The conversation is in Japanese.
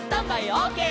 オーケー！」